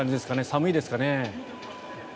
寒いですかね。